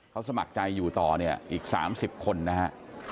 เขาสมัครใจอยู่ตอนเนี่ยอีกสามสิบคนนะฮะ